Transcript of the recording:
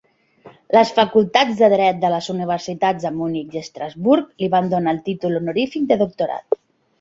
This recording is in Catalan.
Les facultats de dret de les universitats de Munic i Estrasburg li van donar el títol honorífic de doctorat.